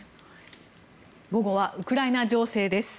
午後はウクライナ情勢です。